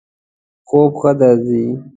خوب ښه درځی؟